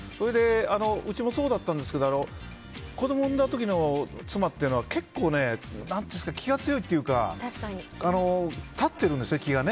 うちもそうだったんですけど子供を産んだ時の妻って結構気が強いというか気が立っているんですね。